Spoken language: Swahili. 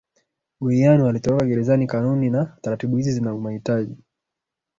Goiano alitoroka gerezaniKanuni na taratibu hizi zina mahitaji